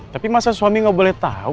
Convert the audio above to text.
tapi masa suami gak boleh tau